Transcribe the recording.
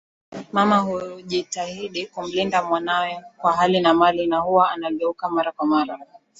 Mama hujitahidi kumlinda mwanae kwa hali na mali na huwa anageuka mara kwa mara